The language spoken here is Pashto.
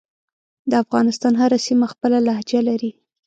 دافغانستان هره سیمه خپله لهجه لری